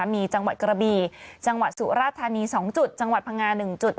มีจังหวัดกระบีจังหวัดสุราธานี๒จุดจังหวัดพังงา๑จุด